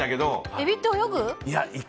エビって泳ぐ？